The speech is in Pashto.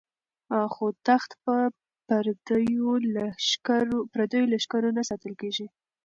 خو تخت په پردیو لښکرو نه ساتل کیږي.